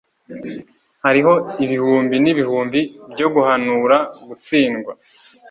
hariho ibihumbi n'ibihumbi byo guhanura gutsindwa